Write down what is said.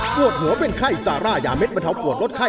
ปวดหัวเป็นไข้ซาร่ายาเด็ดบรรเทาปวดลดไข้